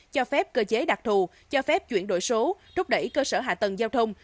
cho phép cơ chế đặc thù cho phép chuyển đổi số rút đẩy cơ sở hạ tầng giao thông